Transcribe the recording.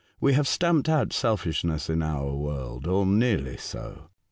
" We have stamped out selfishness in our world, or nearly so.